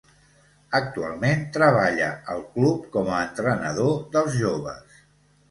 Actualment treballa al club com a entrenador dels joves.